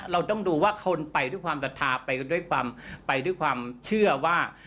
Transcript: เราต้องดูว่าคนไปด้วยความศรัทธาไปด้วยความไปด้วยความเชื่อว่า